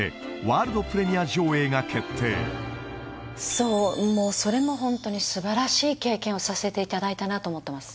そうもうそれもホントに素晴らしい経験をさせていただいたなと思ってます